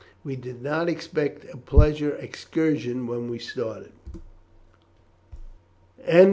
We did not expect a pleasure excursion when we started."